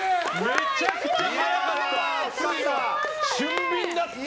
めちゃくちゃ速かった！